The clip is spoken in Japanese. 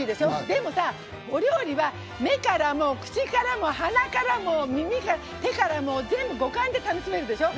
でもさ、お料理は目からも口からも鼻からも耳からも手からも五感で楽しめるでしょ。